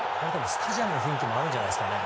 スタジアムの雰囲気もあるんじゃないですかね。